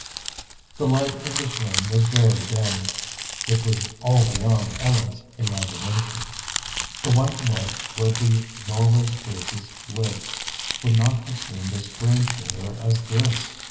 The light in this room was very dim. It was all beyond Ellen's imagination. The White North where the Norway spruces lived would not have seemed as strange to her as this.